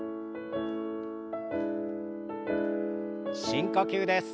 深呼吸です。